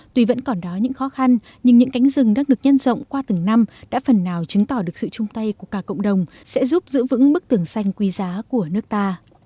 tuy vẫn còn đó những khó khăn nhưng những cánh rừng đã được nhân rộng qua từng năm đã phần nào chứng tỏ được sự chung tay của cả cộng đồng sẽ giúp giữ vững bức tường xanh quý giá của nước ta